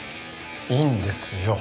いいんですよ。